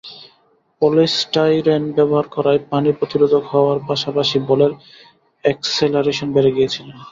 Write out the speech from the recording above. Polystyrene ব্যবহার করায় পানি প্রতিরোধক হওয়ার পাশাপাশি বলের একসেলারেশন বেড়ে গিয়েছিল।